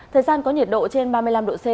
thời gian có nhiệt độ trên ba mươi năm độ c